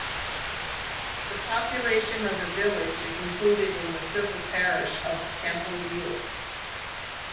The population of the village is included in the civil parish of Temple Ewell.